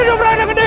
hidup rangga gini